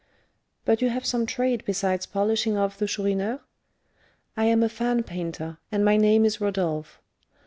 But you have some trade besides 'polishing off' the Chourineur?" "I am a fan painter, and my name is Rodolph."